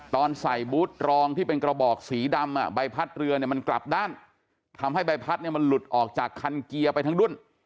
ตอนใส่บูธรองที่เป็นกระบอกสีดำใบพัดเรือเนี่ยมันกลับด้านทำให้ใบพัดเนี่ยมันหลุดออกจากคันเกียร์ไปทั้งดุ้น